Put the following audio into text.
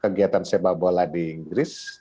kegiatan sepak bola di inggris